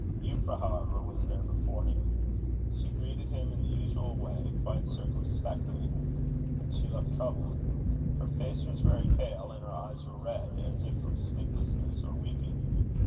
Euphra, however, was there before him. She greeted him in the usual way, quite circumspectly. But she looked troubled. Her face was very pale, and her eyes were red, as if from sleeplessness or weeping.